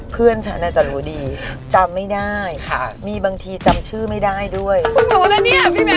พึ่งรู้แล้วเนี่ยพี่แมนจำชื่อแฟนเก่าไม่ได้